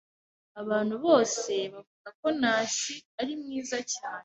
Abantu bose bavuga ko Nancy ari mwiza cyane.